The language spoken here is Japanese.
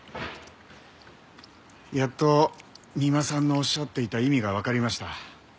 やっと三馬さんのおっしゃっていた意味がわかりました。